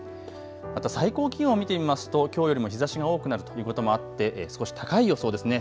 また最高気温を見てみますときょうよりも日ざしが多くなるということもあって少し高い予想ですね。